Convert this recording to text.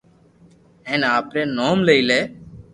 ھين آپري نوم لئي لي